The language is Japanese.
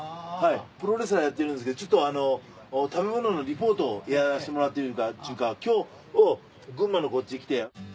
プロレスラーやってるんですけど食べ物のリポートをやらせてもらってるっちゅうか今日群馬のこっち来て。